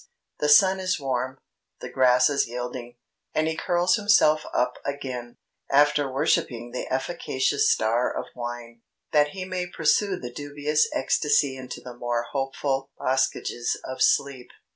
The sun is warm, the grasses yielding; and he curls himself up again, after worshipping the efficacious star of wine, that he may pursue the dubious ecstasy into the more hopeful boskages of sleep."